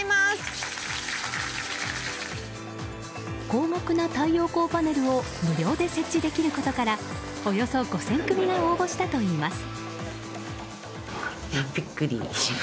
高額な太陽光パネルを無料で設置できることからおよそ５０００組が応募したといいます。